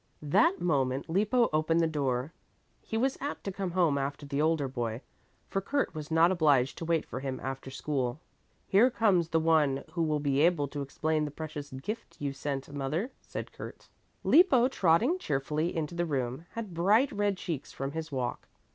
That moment Lippo opened the door. He was apt to come home after the older boy, for Kurt was not obliged to wait for him after school. "Here comes the one who will be able to explain the precious gift you sent, mother," said Kurt. Lippo, trotting cheerfully into the room, had bright red cheeks from his walk.